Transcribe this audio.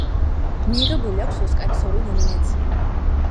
მიღებული აქვს ოსკარის ორი ნომინაცია.